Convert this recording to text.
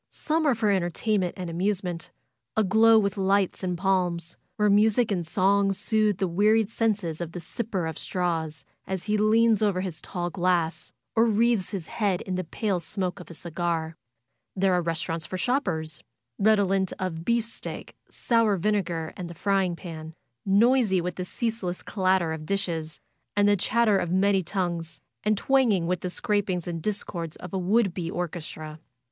Some are for entertainment and amusement^ aglow FAITH 229 with lights and palms, where music and song soothe the wearied senses of the sipper of straws, as he leans over his tall glass, or wreathes his head in the pale smoke of a cigar. There are restaurants for shoppers, redo lent of beefsteak, sour vinegar and the frying pan; noisy with the ceaseless clatter of dishes and the chat ter of many tongues, and twanging with the scrapings and discords of a would be orchestra.